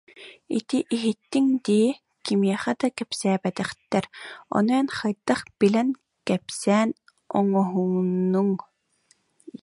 Ити иһиттиҥ дии, кимиэхэ да кэпсээбэтэхтэр, ону эн хайдах билэн, кэпсээн оҥоһуннуҥ